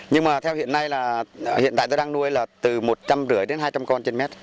nhưng mà theo hiện nay là hiện tại tôi đang nuôi là từ một trăm linh rưỡi đến hai trăm linh con trên mét